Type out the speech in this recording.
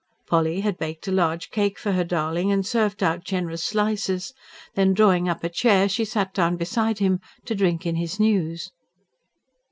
Polly had baked a large cake for her darling, and served out generous slices. Then, drawing up a chair she sat down beside him, to drink in his news.